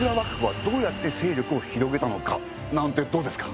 ズバリなんてどうですか？